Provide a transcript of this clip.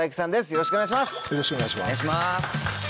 よろしくお願いします。